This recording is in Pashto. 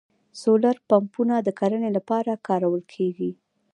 سولر پمپونه د کرنې لپاره کارول کیږي